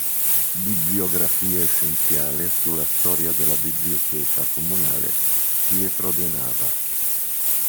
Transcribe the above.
Bibliografia essenziale sulla Storia della Biblioteca Comunale “Pietro De Nava”